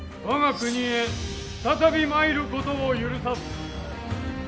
我が国へ再び参ることを許さず。